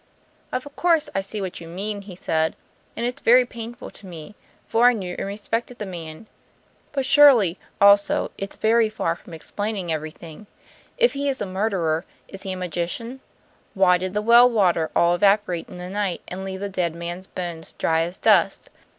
"Of course, I see what you mean," he said, "and it's very painful for me, for I knew and respected the man. But surely, also, it's very far from explaining everything. If he is a murderer, is he a magician? Why did the well water all evaporate in a night, and leave the dead man's bones dry as dust?